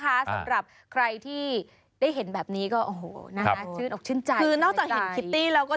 สำหรับใครที่ได้เห็นแบบนี้ก็โอ้โห